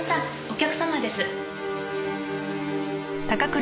お客様です。